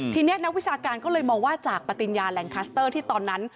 ทีนี้นักวิชาการก็เลยมองว่าจากปฏิญญาแหล่งคัสเตอร์ที่ตอนนั้น